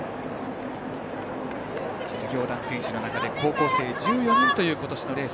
実業団選手の中で高校生１４人という今年のレース。